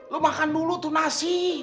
lo makan dulu tuh nasi